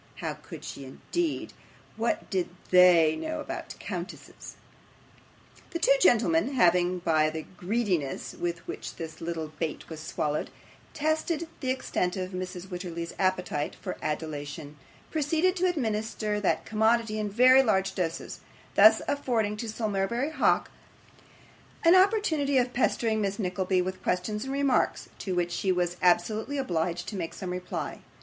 How could she, indeed? what did THEY know about countesses? The two gentlemen having, by the greediness with which this little bait was swallowed, tested the extent of Mrs. Wititterly's appetite for adulation, proceeded to administer that commodity in very large doses, thus affording to Sir Mulberry Hawk an opportunity of pestering Miss Nickleby with questions and remarks, to which she was absolutely obliged to make some reply.